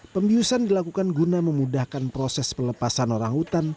pembiusan dilakukan guna memudahkan proses pelepasan orang hutan